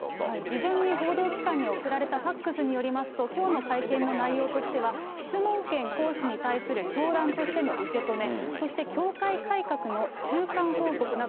事前に報道機関に送られたファックスによりますと、きょうの会見の内容としては、質問権行使に対する教団としての受け止め。